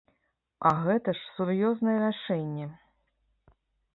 А гэта ж сур'ёзнае рашэнне!